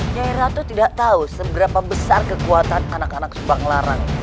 nyair ratu tidak tahu seberapa besar kekuatan anak anak subanglarang